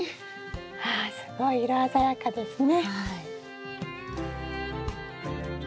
ああすごい色鮮やかですね。